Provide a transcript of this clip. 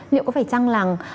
liệu có phải chăng là